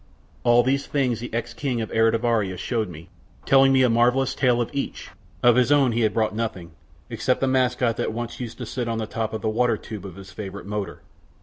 All these things the ex King of Eritivaria showed me, telling me a marvelous tale of each; of his own he had brought nothing, except the mascot that used once to sit on the top of the water tube of his favorite motor.